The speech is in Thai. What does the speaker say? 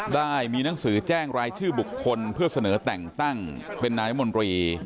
ได้มีหนังสือแจ้งรายชื่อบุคคลเพื่อเสนอแต่งตั้งเป็นนายมนตรี